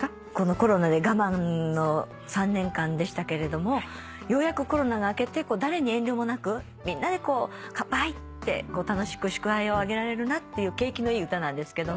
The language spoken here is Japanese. コロナで我慢の３年間でしたけれどもようやくコロナが明けて誰に遠慮もなくみんなで乾杯って楽しく祝杯を挙げられるなっていう景気のいい歌なんですけども。